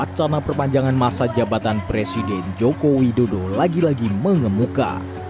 wacana perpanjangan masa jabatan presiden joko widodo lagi lagi mengemuka